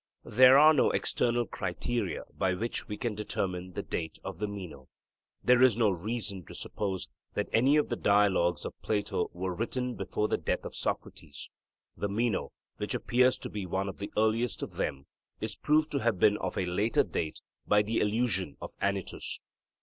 There are no external criteria by which we can determine the date of the Meno. There is no reason to suppose that any of the Dialogues of Plato were written before the death of Socrates; the Meno, which appears to be one of the earliest of them, is proved to have been of a later date by the allusion of Anytus.